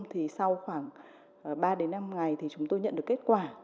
thì sau khoảng ba đến năm ngày thì chúng tôi nhận được kết quả